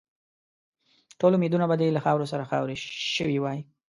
ټول امیدونه به دې له خاورو سره خاوري شوي وای.